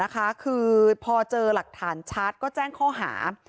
คือพอเจอหลักฐานชัดก็แจ้งข้อหา